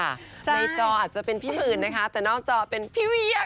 ในจออาจจะเป็นพี่หมื่นนะคะแต่นอกจอเป็นพี่เวีย